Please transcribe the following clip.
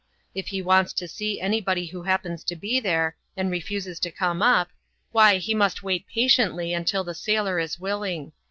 If he wants to see any body who happens to be there, and refuses to come up, why he must wait patiently until the sailor is willing.